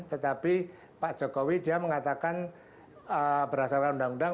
tetapi pak jokowi dia mengatakan berdasarkan undang undang